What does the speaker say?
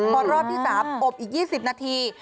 พอรอบที่๓อบอีก๒๐นาที